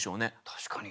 確かに。